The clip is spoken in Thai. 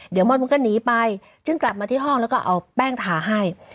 เดี๋ยวม่อนมันก็หนีไปจึงกลับมาที่ห้องแล้วก็เอาแป้งทาให้